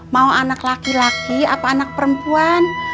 mau anak laki laki apa anak perempuan